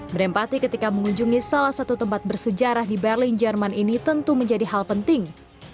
berempati ketika mengunjungi salah satu tempat bersejarah di berlin jerman ini tentu menjadi hal penting